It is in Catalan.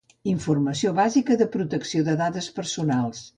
Informació bàsica de protecció de dades personals.